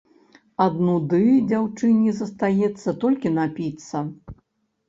Ад нуды дзяўчыне застаецца толькі напіцца.